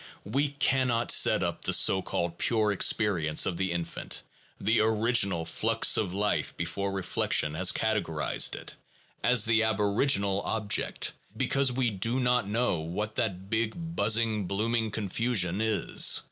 We cannot set up the so called pure experience of the infant, "the original flux of life before reflection has categorized it," as the aboriginal object, because we do not know what that big buzzing blooming confusion is.